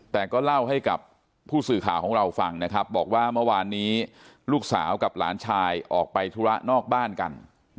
แต่ก็เล่าให้กับผู้สื่อข่าวของเราฟังนะครับบอกว่าเมื่อวานนี้ลูกสาวกับหลานชายออกไปธุระนอกบ้านกัน